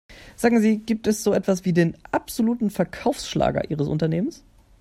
Sagen Sie, gibt es so etwas wie den absoluten Verkaufsschlager ihres Unternehmens?